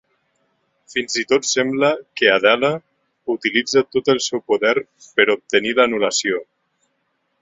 Fins i tot sembla que Adela utilitza tot el seu poder per obtenir l'anul·lació.